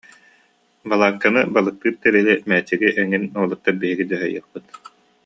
Балаакканы, балыктыыр тэрили, мээчиги эҥин уолаттар биһиги дьаһайыахпыт